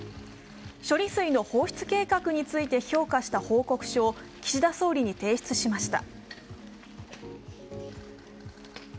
処理水の放出計画について評価した報告書を岸田総理に提出しました。